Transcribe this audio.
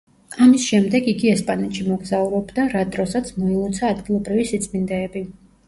ამის შემდეგ იგი ესპანეთში მოგზაურობდა, რა დროსაც მოილოცა ადგილობრივი სიწმინდეები.